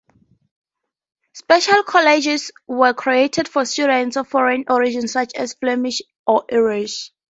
Special colleges were created for students of foreign origin, such as Flemish or Irish.